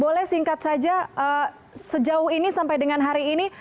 boleh singkat saja sejauh ini sampai dengan hari ini